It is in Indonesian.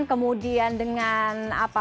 kemudian dengan apa